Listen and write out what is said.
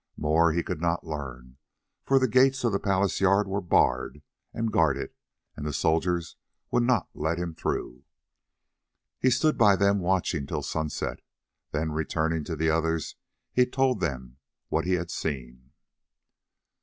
More he could not learn, for the gates of the palace yard were barred and guarded, and the soldiers would not let him through. He stood by them watching till sunset, then returning to the others, he told them what he had seen.